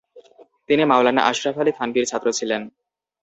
তিনি মাওলানা আশরাফ আলি থানভির ছাত্র ছিলেন।